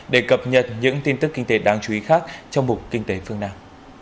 để cập nhật những tin tức kinh tế đáng chú ý khác trong mục kinh tế phương nam